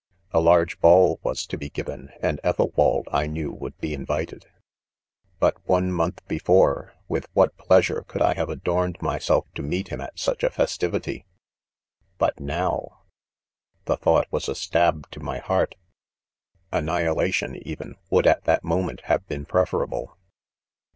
A large ' ball was to he : given, and Ethelwald, 1 knew, wonld be invited. :;, s Biit one month before, with what pleasure eould I have adorned myself to meet Mm at such a festivity 1 — hut now 1 — the thought was a stab to my heart \ oinniiiilatign, even, would at that moment, have j been preferable.